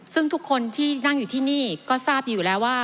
ซึ่งทุกคนที่นั่งอยู่ที่นี่ก็ทราบดีอยู่แล้วว่า